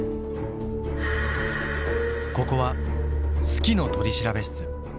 ここは「好きの取調室」